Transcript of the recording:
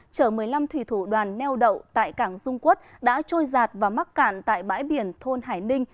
chở một mươi năm thủy thủ đoàn neo đậu tại cảng dung quốc đã trôi giạt và mắc cạn tại bãi biển thôn hải ninh